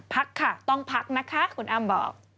พักค่ะต้องพักนะคะคุณอ้ำบอก